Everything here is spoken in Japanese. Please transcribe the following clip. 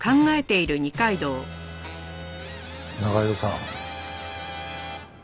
仲井戸さん。